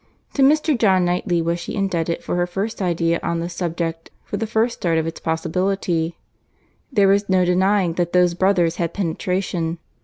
To Mr. John Knightley was she indebted for her first idea on the subject, for the first start of its possibility. There was no denying that those brothers had penetration.